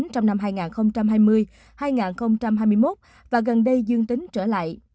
trong năm hai nghìn hai mươi hai nghìn hai mươi một và gần đây dương tính trở lại